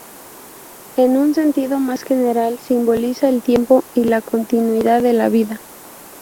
En un sentido más general simboliza el tiempo y la continuidad de la vida.